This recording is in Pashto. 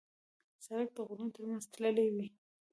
سړک د غرونو تر منځ تللی وي.